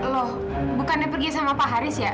loh bukan dia pergi sama pak haris ya